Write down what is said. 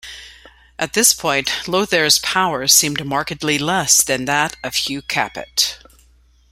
At this point Lothair's power seemed markedly less than that of Hugh Capet.